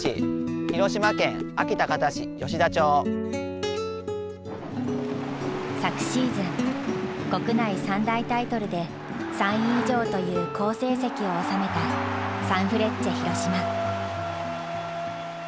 広島県安芸高田市吉田町。昨シーズン国内３大タイトルで３位以上という好成績を収めたサンフレッチェ広島。